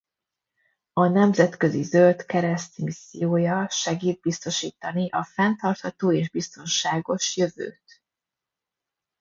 A Nemzetközi Zöld Kereszt missziója segít biztosítani a fenntartható és biztonságos jövőt.